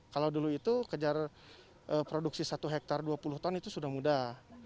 kalau dulu itu kejar produksi satu hektar dua puluh ton itu sudah mudah